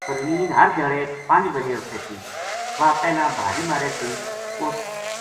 پروین ہر دھیاڑے پنج بَجے اُٹھے تھی واہ پہلاں بھاری مارے تھی اُس